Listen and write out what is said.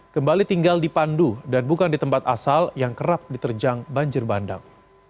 kembali tinggal di pandu dan bukan di tempat asal yang kerap diterjang banjir bandang